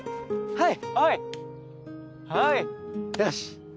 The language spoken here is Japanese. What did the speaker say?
はい。